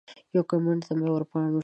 یو کمنټ ته مې ورپام شو